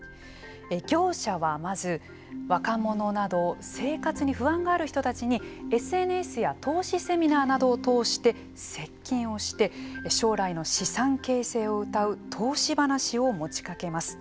業者はまず、若者など生活に不安がある人たちにＳＮＳや投資セミナーなどを通して接近をして将来の資産形成をうたう投資話を持ちかけます。